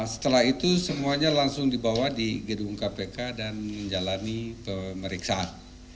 setelah itu semuanya langsung dibawa di gedung kpk dan menjalani pemeriksaan